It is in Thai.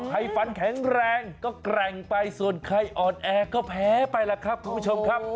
ฟันแข็งแรงก็แกร่งไปส่วนใครอ่อนแอก็แพ้ไปล่ะครับคุณผู้ชมครับ